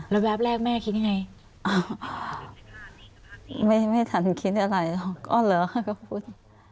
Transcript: แล้วแวบแรกแม่คิดยังไงไม่ทันคิดอะไรก็เหรอเขาก็พูด